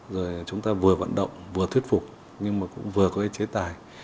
rồi chúng ta vừa vận động vừa thuyết phục nhưng mà cũng vừa có cái chế tài